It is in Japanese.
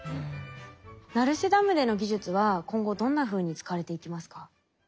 成瀬ダムでの技術は今後どんなふうに使われていきますか？